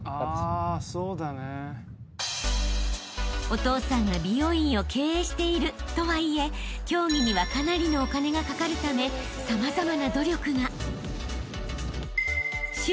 ［お父さんが美容院を経営しているとはいえ競技にはかなりのお金がかかるため様々な努力が］